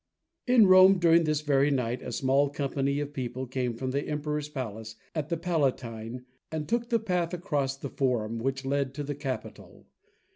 In Rome, during this very night, a small company of people came from the Emperor's palace at the Palatine and took the path across the Forum which led to the Capitol.